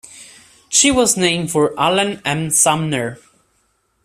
She was named for Allen M. Sumner.